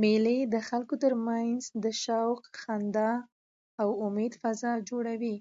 مېلې د خلکو ترمنځ د شوق، خندا او امېد فضا جوړوي.